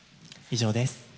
以上です。